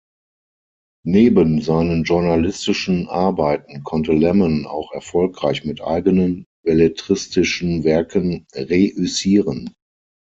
Neben seinen journalistischen Arbeiten konnte Lemon auch erfolgreich mit eigenen belletristischen Werken reüssieren.